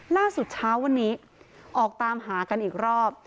ล่าสุดเช้าวันนี้ออกตามหากันอีกรอบ